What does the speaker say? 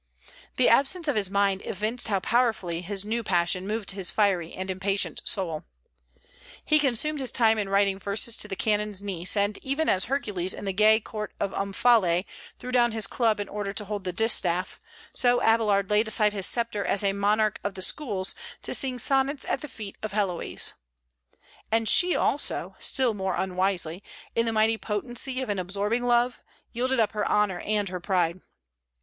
The absence of his mind evinced how powerfully his new passion moved his fiery and impatient soul. "He consumed his time in writing verses to the canon's niece; and even as Hercules in the gay court of Omphale threw down his club in order to hold the distaff, so Abélard laid aside his sceptre as a monarch of the schools to sing sonnets at the feet of Héloïse." And she also, still more unwisely, in the mighty potency of an absorbing love, yielded up her honor and her pride.